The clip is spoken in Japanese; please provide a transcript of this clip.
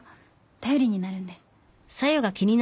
頼りになるんで。